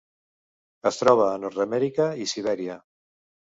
Es troba a Nord-amèrica i Sibèria.